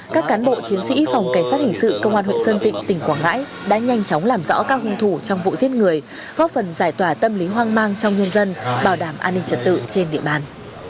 cảnh sát hình sự công an huyện sơn tịnh tỉnh quảng ngãi đã nhanh chóng làm rõ các hung thủ trong vụ giết người góp phần giải tỏa tâm lý hoang mang trong nhân dân bảo đảm an ninh trật tự trên địa bàn